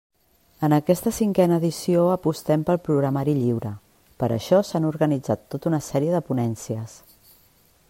En aquesta cinquena edició apostem pel programari lliure, per això s'han organitzat tot una sèrie de ponències.